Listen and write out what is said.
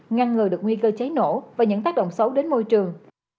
ngăn ngừa được nguy cơ cháy nổ và những tác động xấu đến môi trường